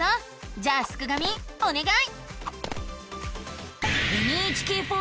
じゃあすくがミおねがい！